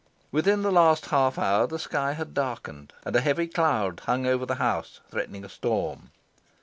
Within the last half hour the sky had darkened, and a heavy cloud hung over the house, threatening a storm.